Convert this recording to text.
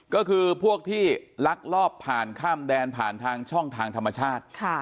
ก็คือพวกที่ลักลอบผ่านข้ามแดนผ่านทางช่องทางธรรมชาติ